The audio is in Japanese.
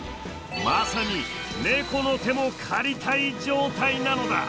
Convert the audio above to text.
まさに「ネコの手も借りたい」状態なのだ！